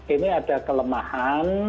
ini ada kelemahan